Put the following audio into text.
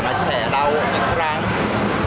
พี่ตอบได้แค่นี้จริงค่ะ